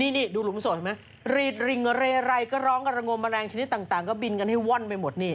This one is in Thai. นี่ดูหลุมโสดเห็นไหมรีดริงเรไรก็ร้องกระงมแมลงชนิดต่างก็บินกันให้ว่อนไปหมดนี่